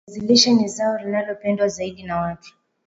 viazi lishe ni zao linalopendwa zaidi na watu